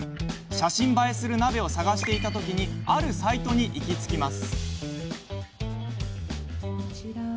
写真映えする鍋を探していた時にあるサイトに行き着きます。